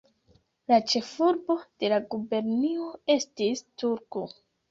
La ĉefurbo de la gubernio estis Turku.